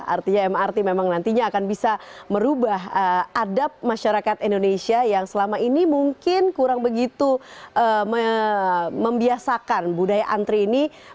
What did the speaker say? artinya mrt memang nantinya akan bisa merubah adab masyarakat indonesia yang selama ini mungkin kurang begitu membiasakan budaya antri ini